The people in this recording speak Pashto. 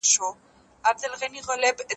څېړونکي د ناوخته کار او دماغي سکتې اړیکه څېړي.